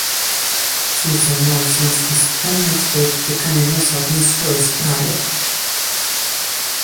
Cóż za nonsens i skłonność do wtykania nosa w nie swoje sprawy!